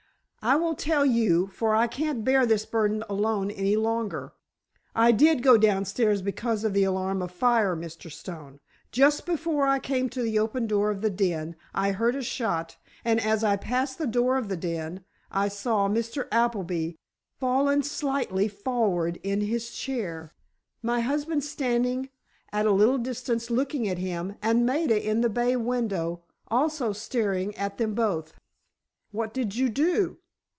"I will tell you, for I can't bear this burden alone any longer! I did go downstairs because of the alarm of fire, Mr. Stone. Just before I came to the open door of the den, I heard a shot, and as I passed the door of the den, I saw Mr. Appleby, fallen slightly forward in his chair, my husband standing at a little distance looking at him, and Maida in the bay window, also staring at them both." "What did you do?